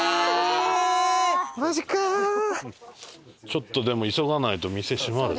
ちょっとでも急がないと店閉まるぞ。